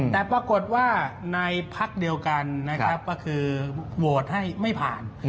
แต่ปรากฏว่าในพักเดียวกันนะครับก็คือโหวตให้ไม่ผ่าน